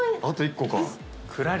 あと１個か。